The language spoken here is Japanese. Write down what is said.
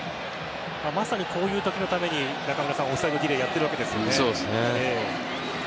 まさにこういう時のためにオフサイドディレイをやっているんですね。